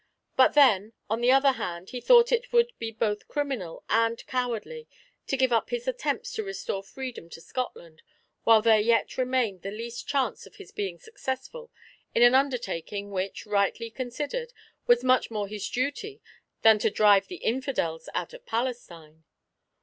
But then, on the other hand, he thought it would be both criminal and cowardly to give up his attempts to restore freedom to Scotland while there yet remained the least chance of his being successful in an undertaking, which, rightly considered, was much more his duty than to drive the infidels out of Palestine.